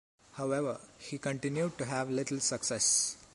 However, he continued to have little success.